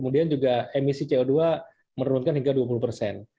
di co dua menurunkan hingga dua puluh persen